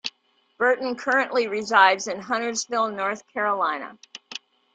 Burton currently resides in Huntersville, North Carolina.